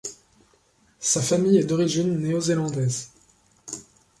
Sa famille est d'origine néo-zélandaise.